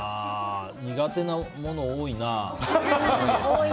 苦手なもの多いな。